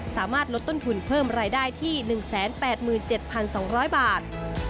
สามารถลดต้นทุนเพิ่มรายได้ที่๑๘๗๒๐๐บาท